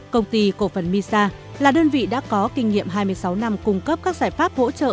công ty cổ phần misa là đơn vị đã có kinh nghiệm hai mươi sáu năm cung cấp các giải pháp hỗ trợ